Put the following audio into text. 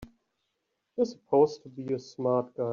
You're supposed to be a smart guy!